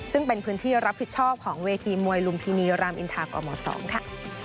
ซึ่งเป็นพื้นที่รับผิดชอบของเวทีมวยลุมพินีรามอินทากม๒ค่ะ